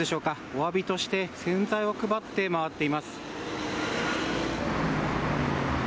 おわびとして、洗剤を配って回っています。